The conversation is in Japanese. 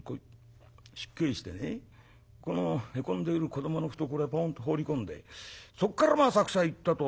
このへこんでいる子どもの懐へポンと放り込んでそっからまあ浅草行ったと。